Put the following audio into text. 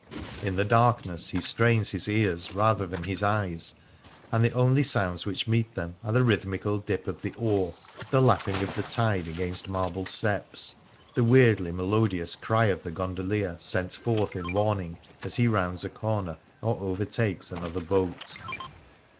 In the darkness he strains his ears rather than his eyes, and the only sounds which meet them are the rhythmical dip of the oar, the lapping of the tide against marble steps, the weirdly melodious cry of the gondolier sent forth in warning as he rounds a corner or overtakes another boat.